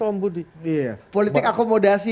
om budi iya politik akomodasi